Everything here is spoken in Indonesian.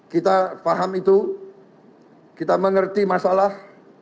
kita paham itu kita mengerti masalah